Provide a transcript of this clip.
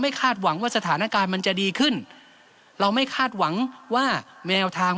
คาดหวังว่าสถานการณ์มันจะดีขึ้นเราไม่คาดหวังว่าแนวทาง